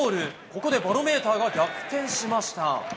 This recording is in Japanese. ここでバロメーターが逆転しました。